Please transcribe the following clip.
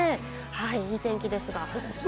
いい天気ですが。